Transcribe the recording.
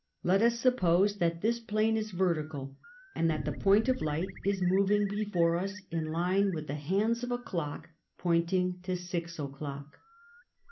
Let us suppose that this plane is vertical and that the point of light is moving before us in line with the hands of a clock pointing to six o'clock.